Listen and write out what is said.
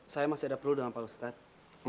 saya masih ada perlu dengan pak ustadz